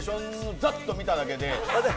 ざっと見ただけで。